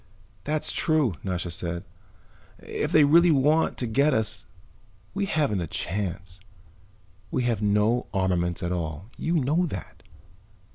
"That's true," Nasha said. "If they really want to get us we haven't a chance. We have no armaments at all; you know that."